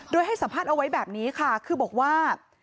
โดยให้สัมภาษณ์เอาไว้แบบนี้ค่ะคือบอกว่า